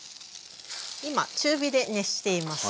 今中火で熱しています。